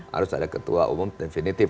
harus ada ketua umum definitif